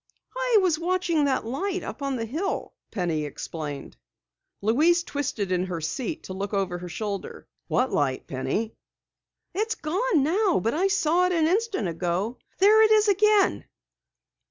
"I was watching that light up on the hill," Penny explained. Louise twisted in the seat to look over her shoulder. "What light, Penny?" "It's gone now, but I saw it an instant ago. There it is again!"